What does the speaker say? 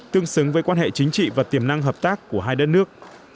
tương xứng với quan hệ chính trị và tiềm năng hợp tác của hai đất nước